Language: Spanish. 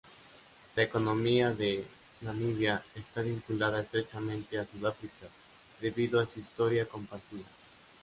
La economía de Namibia está vinculada estrechamente a Sudáfrica debido a su historia compartida.